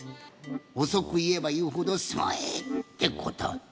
おそくいえばいうほどすごいってこと。